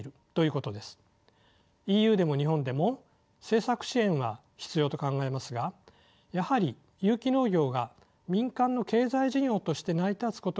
ＥＵでも日本でも政策支援は必要と考えますがやはり有機農業が民間の経済事業として成り立つことが基本だと思います。